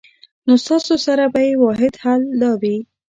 نو ستاسو سره به ئې واحد حل دا وي